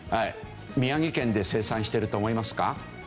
宮城県で生産してると思いますか？